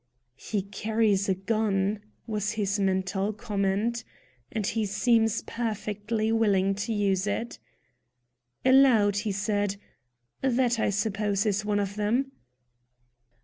"He carries a gun," was his mental comment, "and he seems perfectly willing to use it." Aloud, he said: "That, I suppose is one of them?"